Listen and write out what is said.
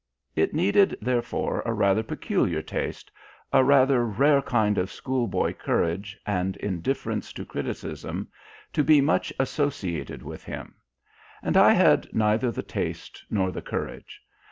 It needed, therefore, a rather peculiar taste, a rather rare kind of schoolboy courage and indifference to criticism, to be much associated with him. And I had neither the taste nor the courage.